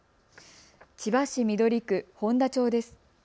千葉市緑区誉田町です。